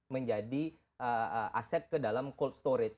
menjadi aset ke dalam cold storage